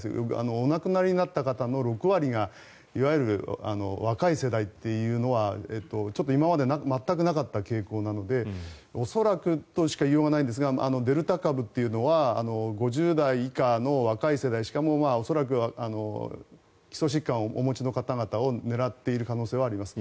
お亡くなりになった方の６割がいわゆる若い世代というのはちょっと今まで全くなかった傾向なので恐らくとしか言いようがないんですがデルタ株というのは５０代以下の若い世代しかも恐らく基礎疾患をお持ちの方々を狙っている可能性はあります。